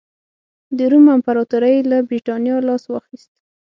د روم امپراتورۍ له برېټانیا لاس واخیست.